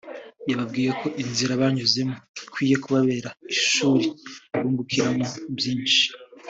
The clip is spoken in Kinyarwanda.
yababwiye ko inzira banyuzemo ikwiye kubabera ishuri bungukiramo byinshi